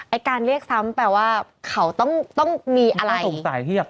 ไอ้การเรียกซ้ำแปลว่าเขาต้องต้องมีอะไรต้องสงสัยเทียบ